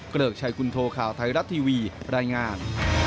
เกริกชัยคุณโทข่าวไทยรัฐทีวีรายงาน